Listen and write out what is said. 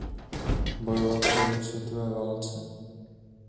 Bojoval v první světové válce.